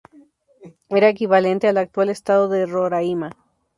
Era equivalente al actual estado de Roraima.